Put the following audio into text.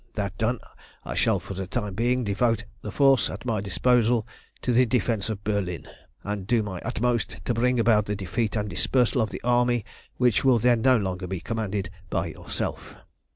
That done I shall, for the time being, devote the force at my disposal to the defence of Berlin, and do my utmost to bring about the defeat and dispersal of the army which will then no longer be commanded by yourself.